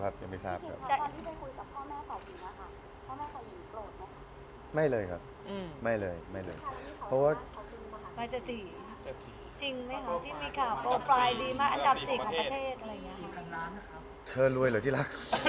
พี่ชิงคำว่าที่ไปคุยกับพ่อแม่ป่าฝีม่ะ